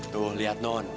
tuh lihat non